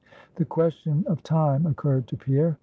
The question of Time occurred to Pierre.